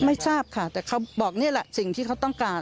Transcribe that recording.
ไม่ทราบค่ะแต่เขาบอกนี่แหละสิ่งที่เขาต้องการ